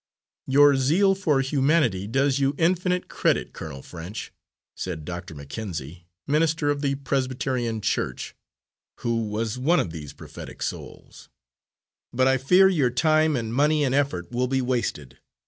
"Your zeal for humanity does you infinite credit, Colonel French," said Dr. Mackenzie, minister of the Presbyterian Church, who was one of these prophetic souls, "but I fear your time and money and effort will be wasted.